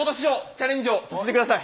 チャレンジをさせてください。